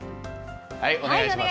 お願いします。